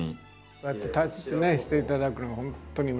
こうやって大切にしていただくの本当にうれしいですね。